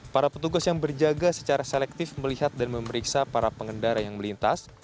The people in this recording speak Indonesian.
para petugas yang berjaga secara selektif melihat dan memeriksa para pengendara yang melintas